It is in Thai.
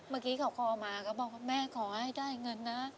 เมื่อกี้เขาคอมาก็บอกว่าแม่ขอให้ได้เงินนะ